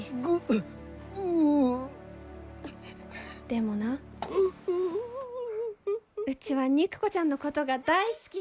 でもなうちは肉子ちゃんのことが大好き。